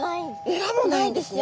えらもないんですね。